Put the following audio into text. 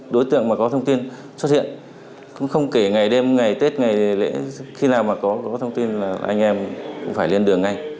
đối tượng mà có thông tin xuất hiện cũng không kể ngày đêm ngày tết ngày lễ khi nào mà có thông tin là anh em cũng phải lên đường ngay